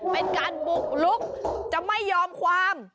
เป็นการบุกลุกจะไม่ยอมความ